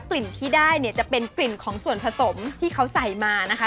กลิ่นที่ได้เนี่ยจะเป็นกลิ่นของส่วนผสมที่เขาใส่มานะคะ